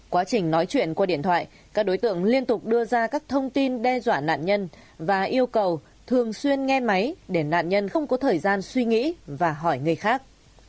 quá trình nói chuyện qua điện thoại các đối tượng liên tục đưa ra các thông tin đe dọa nạn nhân và yêu cầu thường xuyên nghe máy để nạn nhân không có thời gian suy nghĩ và hỏi người khác